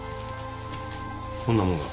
こんなものが。